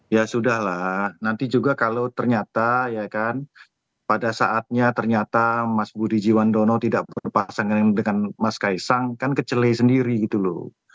ya sudah lah nanti juga kalau ternyata ya kan pada saatnya ternyata mas budi jiwandono tidak berpasangan dengan mas kaisang kan kecele sendiri gitu loh